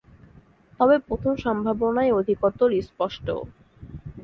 তবে প্রথম সম্ভাবনাই অধিকতর স্পষ্ট।